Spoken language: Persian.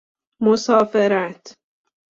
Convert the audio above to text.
مسافرت